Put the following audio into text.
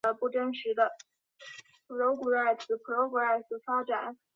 阮廷宾因筹度失宜革职。